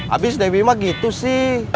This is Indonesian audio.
abis dewi mah gitu sih